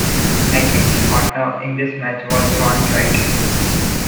McInnes' partner in this match was Ron Wright.